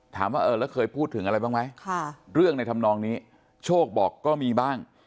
ถามว่าเออแล้วเคยพูดถึงอะไรบ้างไหมเรื่องในธรรมนองนี้โชคบอกก็มีบ้าง